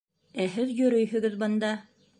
Ә һеҙ йөрөйһөгөҙ бында!